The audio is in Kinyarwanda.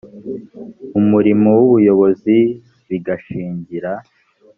umurimo w ubuyobozi bigashingira